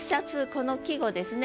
この季語ですね。